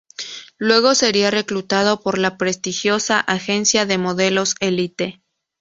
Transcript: Luego sería reclutada por la prestigiosa agencia de modelos Elite.